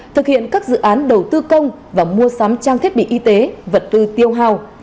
thực hiện các dự án đầu tư công và mua sắm trang thiết bị y tế vật tư tiêu hào